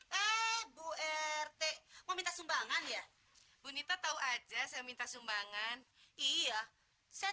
eh bu rt meminta sumbangan ya bunita tahu aja saya minta sumbangan iya saya